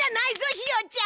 ひよちゃん！